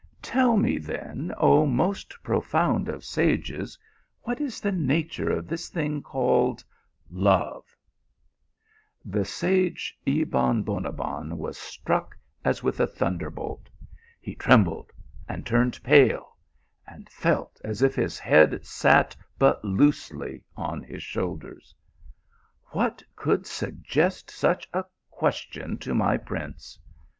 " Tell me then, oh most profound of sages, what is the nature of this thing called love ?" The sage Ebon Bonabbon was struck as with a thunderbolt. He trembled and turned pale, and felt as if his head sat but loosely on his shoulders. " What could suggest such a question to my prince